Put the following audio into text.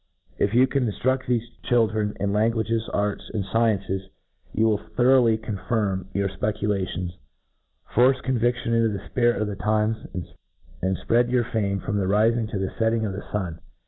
If you can in* ftmSt thefe children in languages, arts, andfciences9 you will thoroughly confirm your fpeculations^ force conviction into the foirit of the times,^ and fpread your £pne from the rifing.to the letting of the fun.